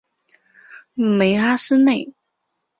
梅阿斯内。